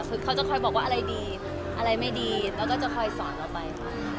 คือเขาจะคอยบอกว่าอะไรดีอะไรไม่ดีแล้วก็จะคอยสอนเราไปค่ะ